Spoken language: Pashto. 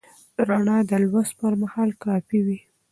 رڼا د لوست پر مهال کافي وي.